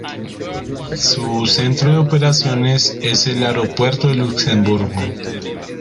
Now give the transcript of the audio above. Su centro de operaciones es el Aeropuerto de Luxemburgo.